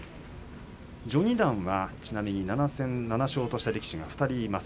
序二段はちなみに７戦７勝とした力士が２人います。